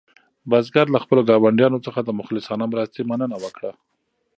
بزګر له خپلو ګاونډیانو څخه د مخلصانه مرستې مننه وکړه.